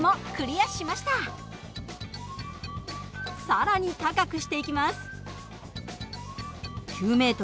更に高くしていきます。